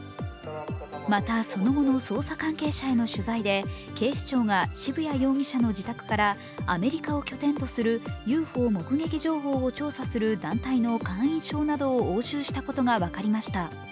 また、その後の捜査関係者への取材で、警視庁が渋谷容疑者の自宅からアメリカを拠点とするＵＦＯ目撃情報を調査する団体の会員証などを押収したことが分かりました。